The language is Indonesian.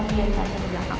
liat saya di belakang